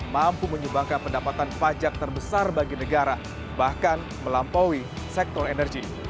mampu menyumbangkan pendapatan pajak terbesar bagi negara bahkan melampaui sektor energi